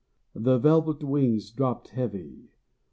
The velvet wings dropped heavy.